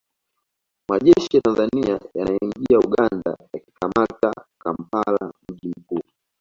Majeshi ya Tanzania yanaingia Uganda yakikamata Kampala mji mkuu